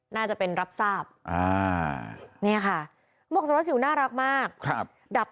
น่าจะเป็นรับทราบ